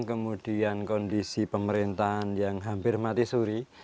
kemudian kondisi pemerintahan yang hampir mati suri